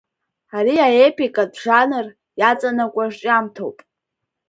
Ари аепикатә жанр иаҵанакуа рҿиамҭоуп.